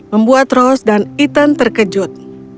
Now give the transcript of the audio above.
membuat ros dan ethan terkejut